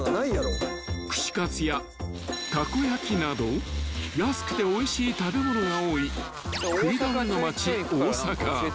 ［串カツやたこ焼きなど安くておいしい食べ物が多い食い倒れの町大阪］